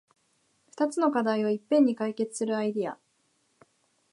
ふたつの課題をいっぺんに解決するアイデア